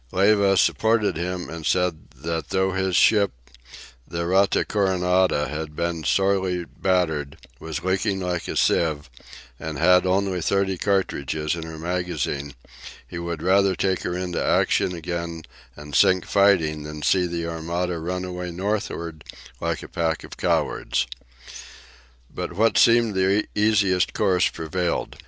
Leyva supported him, and said that though his own ship, the "Rata Coronada," had been sorely battered, was leaking like a sieve, and had only thirty cartridges in her magazine, he would rather take her into action again and sink fighting than see the Armada run away northward like a pack of cowards. But what seemed the easiest course prevailed.